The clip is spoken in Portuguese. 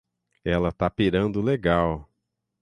Ela tá pirando legal.